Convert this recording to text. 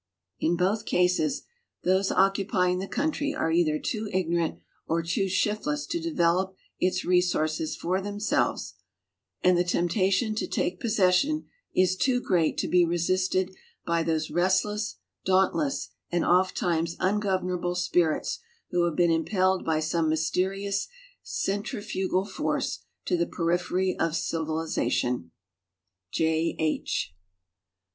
In both cases those occupying tlie countiy are either too ignorant or too shiftless to develop its resources for themselves, and the temptation to take possession is too great to be resisted by those restless, dauntless, and ofttimes ungovernable spirits who have been impelled by some m3^sterious centrifugal force to the periphery of civilization. J. H.